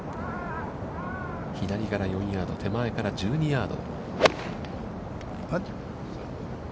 左から４ヤード、手前から１２ヤード。